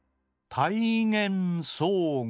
「たいげんそうご」。